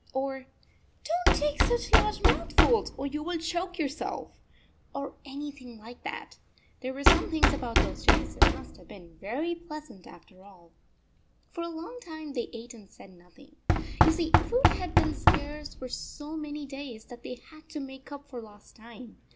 or " Don t take such large mouthfuls or you will choke yourself," or anything like that. There were some things about those days that must have been very pleasant, after all. 35 For a long time they ate and said noth ing. You see, food had been scarce for so many days that they had to make up for lost time.